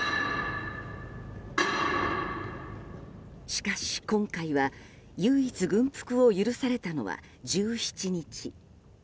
しかし今回は唯一軍服を許されたのは１７日。